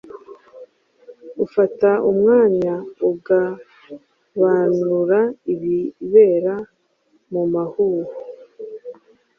ufata umwanya ugaobanura ibibera mumahuho